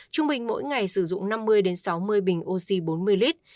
trung bình mỗi ngày sử dụng năm mươi sáu mươi bình oxy bốn mươi lít